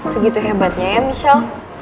segitu hebatnya ya michelle